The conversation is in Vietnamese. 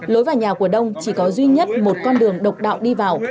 lối vào nhà của đông chỉ có duy nhất một con đường độc đạo đi vào